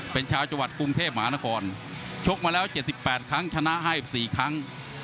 เป็นชาวจังหวัดกรุงเทพมหานครชกมาแล้ว๗๘ครั้งชนะ๕๔ครั้ง